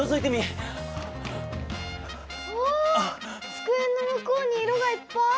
つくえの向こうに色がいっぱい！